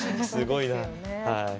すごいな。